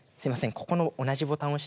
ここの同じボタンを押して。